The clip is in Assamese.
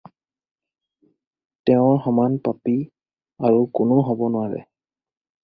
তেওঁৰ সমান পাপী আৰু কোনো হ'ব নোবাৰে।